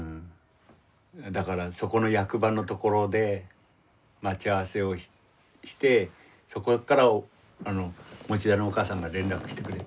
だからそこの役場の所で待ち合わせをしてそこから田のお母さんが連絡してくれてさ。